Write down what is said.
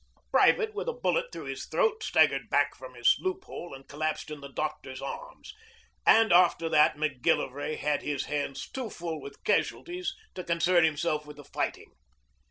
A private with a bullet through his throat staggered back from his loophole and collapsed in the doctor's arms and after that Macgillivray had his hands too full with casualties to concern himself with the fighting.